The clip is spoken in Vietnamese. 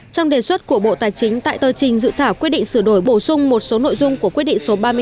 trong đề xuất của bộ tài chính tại tờ trình dự thảo quyết định sửa đổi bổ sung một số nội dung của quyết định số ba mươi năm